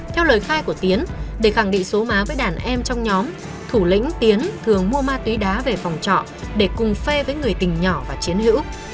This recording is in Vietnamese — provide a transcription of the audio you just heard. theo lời khai của tiến để khẳng định số má với đàn em trong nhóm thủ lĩnh tiến thường mua ma túy đá về phòng trọ để cùng phê với người tình nhỏ và chiến hữu